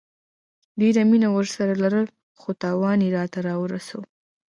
ډيره مينه ورسره لرله خو تاوان يي راته رسوو